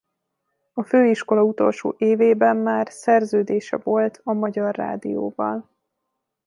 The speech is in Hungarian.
A főiskola utolsó évében már szerződése volt a Magyar Rádióval.